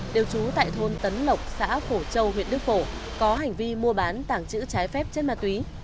đều trú tại thôn tấn lộc xã phổ châu huyện đức phổ có hành vi mua bán tảng chữ trái phép chất ma túy